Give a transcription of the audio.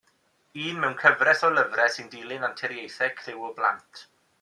Un mewn cyfres o lyfrau sy'n dilyn anturiaethau criw o blant.